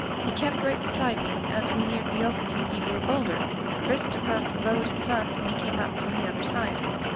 He kept right beside me. As we neared the opening he grew bolder, frisked across the road in front and came up from the other side.